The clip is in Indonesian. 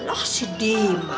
lah si dima